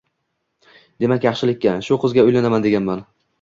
Demak, yaxshilikka. Shu qizga uylanaman”, deganman.